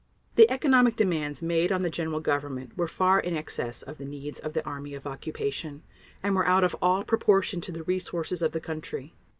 The economic demands made on the General Government were far in excess of the needs of the army of occupation, and were out of all proportion to the resources of the country.